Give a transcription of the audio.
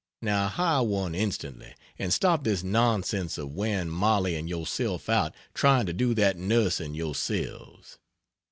Now hire one instantly, and stop this nonsense of wearing Mollie and yourself out trying to do that nursing yourselves.